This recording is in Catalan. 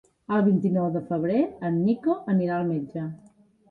El vint-i-nou de febrer en Nico anirà al metge.